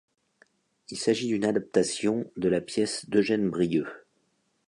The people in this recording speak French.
Il s'agit d'une adaptation de la pièce d'Eugène Brieux.